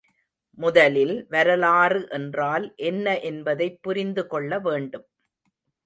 முதலில் வரலாறு என்றால் என்ன என்பதைப் புரிந்து கொள்ள வேண்டும்.